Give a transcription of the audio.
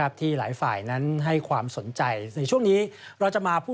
ผ่าพิมพ์ทางโรสักดาข่าวเทวรัฐทีวีรายงาน